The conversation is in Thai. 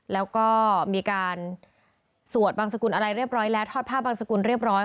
แล้วก็มีการสวดบังสกุลอะไรเรียบร้อยแล้วทอดผ้าบางสกุลเรียบร้อย